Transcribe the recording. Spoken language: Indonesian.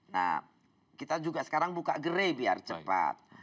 nah kita juga sekarang buka gerai biar cepat